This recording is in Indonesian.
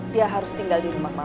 dia harus tinggal di rumah mana